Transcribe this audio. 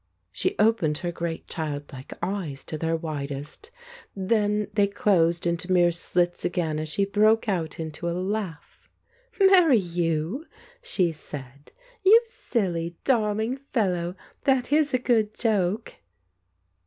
She opened her great childlike eyes to their widest. Then they closed into mere slits again as she broke out into a laugh. 202 The Ape "Marry you?" she said. "You silly, darling fellow ! That is a good joke."